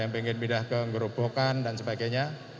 pindah ke ngerobokan dan sebagainya